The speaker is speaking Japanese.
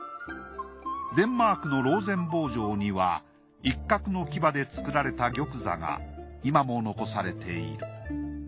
デンマークのローゼンボー城にはイッカクの牙で作られた玉座が今も残されている。